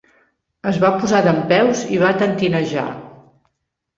Es va posar dempeus i va tentinejar.